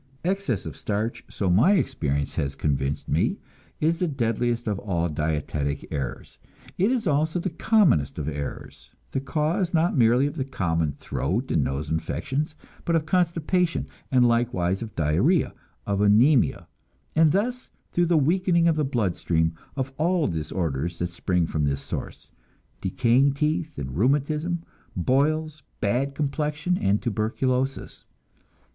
Excess of starch, so my experience has convinced me, is the deadliest of all dietetic errors. It is also the commonest of errors, the cause, not merely of the common throat and nose infections, but of constipation, and likewise of diarrhea, of anemia, and thus, through the weakening of the blood stream, of all disorders that spring from this source decaying teeth and rheumatism, boils, bad complexion, and tuberculosis.